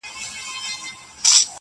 د هغه د فکر او عمل پر ځای